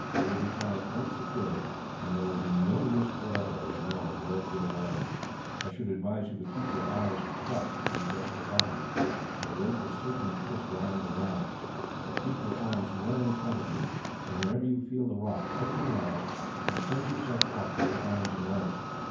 You will be tied quite securely, and there will be no risk whatever, as you know, of the rope giving way. I should advise you to keep your eyes shut, till you get to the bottom, for the rope will certainly twist round and round; but keep your arms well in front of you, and whenever you feel the rock, open your eyes, and send yourself off with your arms and legs.